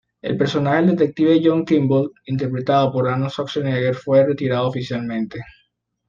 El personaje del detective John Kimble, interpretado por Arnold Schwarzenegger, fue retirado oficialmente.